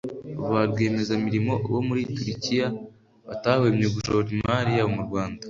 ba rwiyemezamirimo bo muri Turikiya batahwemye gushora imari yabo mu Rwanda